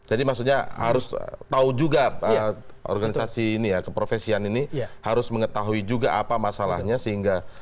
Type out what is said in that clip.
jadi maksudnya harus tahu juga organisasi ini ya keprofesian ini harus mengetahui juga apa masalahnya sehingga